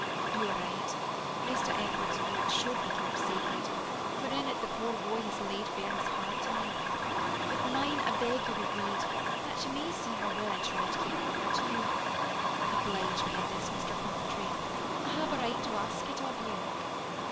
"You are right. Mr. Edward's note should be kept sacred, for in it the poor boy has laid bare his heart to me. But mine I beg you will read, that you may see how well I try to keep my word to you. Oblige me in this, Mr. Coventry; I have a right to ask it of you."